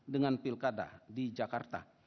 dengan pilkada di jakarta